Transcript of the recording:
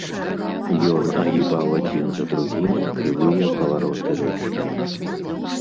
Ён агібаў адзін за другім крывыя павароты рэчкі.